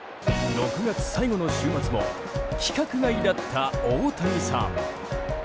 ６月最後の週末も規格外だった大谷さん。